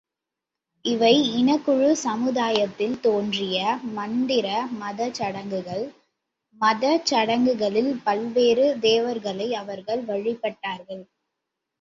இவை இனக்குழு சமுதாயத்தில் தோன்றிய மந்திர, மதச்சடங்குகள், மதச்சடங்குகளில் பல்வேறு தேவர்களை அவர்கள் வழிபட்டார்கள்.